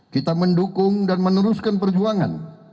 kita mendukung dan meneruskan perjuangan